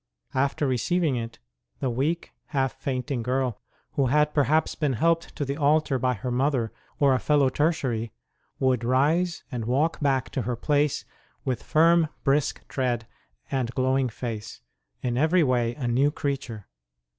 After receiving it, the weak, half fainting girl, who had perhaps been helped to the altar by her mother or a fellow Tertiary, would rise and walk back to her place with firm, brisk tread and glowing face in every way a new creature.